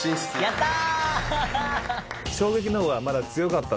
やった！